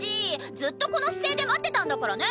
ずっとこの姿勢で待ってたんだからね！